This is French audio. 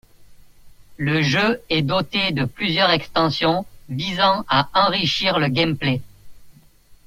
Le jeu est doté de plusieurs extensions visant à enrichir le gameplay.